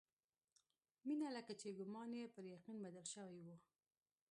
مينه لکه چې ګومان يې پر يقين بدل شوی و.